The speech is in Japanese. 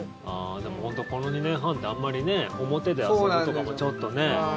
でも、本当この２年半ってあんまり表で遊ぶとかもちょっとね。